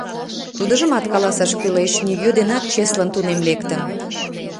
Тудыжымат каласаш кӱлеш: нигӧ денат чеслын тунем лектын.